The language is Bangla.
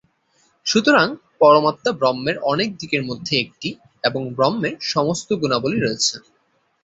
সুতরাং, পরমাত্মা ব্রহ্মের অনেক দিকের মধ্যে একটি, এবং ব্রহ্মের সমস্ত গুণাবলী রয়েছে।